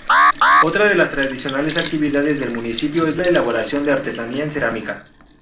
Otra de las tradicionales actividades del municipio es la elaboración de artesanías en cerámica.